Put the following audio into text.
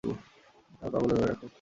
তার পা গুলো ধরে রাখ!